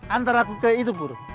antara aku ke itu pur